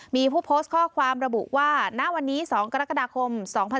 มีผู้โพสต์ข้อความระบุว่าณวันนี้๒กรกฎาคม๒๕๖๒